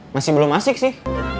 masih belum asik sih